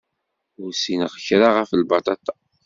Ur ssineɣ kra ɣef lbaṭaṭa.